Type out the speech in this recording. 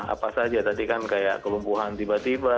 apa saja tadi kan kayak kelumpuhan tiba tiba